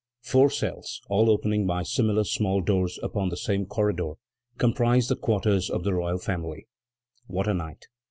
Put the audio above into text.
Four cells, all opening by similar small doors upon the same corridor, comprised the quarters of the royal family. What a night!